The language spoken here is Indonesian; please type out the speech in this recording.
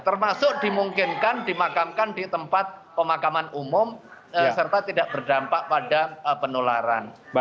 termasuk dimungkinkan dimakamkan di tempat pemakaman umum serta tidak berdampak pada penularan